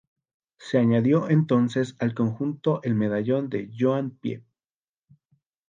Se añadió entonces al conjunto el medallón de Joan Pie.